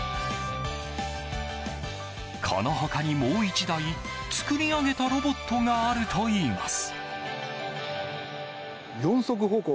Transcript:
この他にもう１台、造り上げたロボットがあるといいます。